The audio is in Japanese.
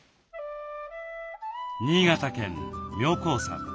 新潟県妙高山。